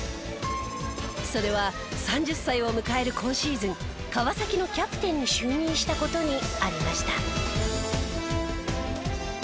それは３０歳を迎える今シーズン川崎のキャプテンに就任した事にありました。